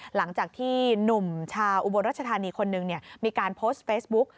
หลังจากที่หนุ่มชาวอุบลรัชธานีคนหนึ่งมีการโพสต์เฟซบุ๊ก